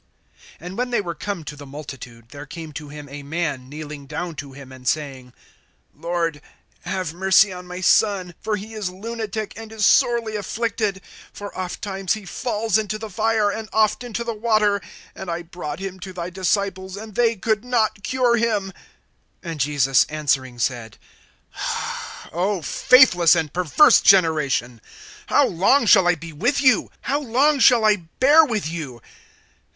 (14)And when they were come to the multitude, there came to him a man, kneeling down to him, and saying: (15)Lord, have mercy on my son; for he is lunatic, and is sorely afflicted; for ofttimes he falls into the fire, and oft into the water. (16)And I brought him to thy disciples, and they could not cure him. (17)And Jesus answering said: O faithless and perverse generation, how long shall I be with you? How long shall I bear with you?